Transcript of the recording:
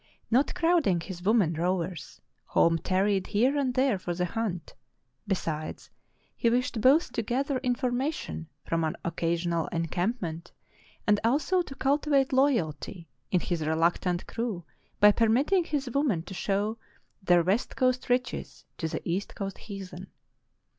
Not crowding his women rowers, Holm tarried here and there for the hunt; be sides, he wished both to gather information from an occasional encampment and also to cultivate loyalty in his reluctant crew by permitting his women to show their west coast riches to the east coast heathen.